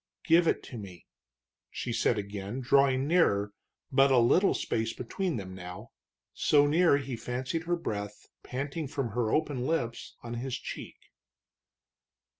"Give it to me!" she said again, drawing nearer, but a little space between them now, so near he fancied her breath, panting from her open lips, on his cheek.